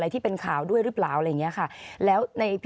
ขอบคุณครับ